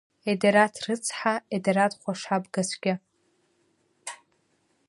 Едараҭ рыцҳа, Едараҭ хәашабгацәгьа!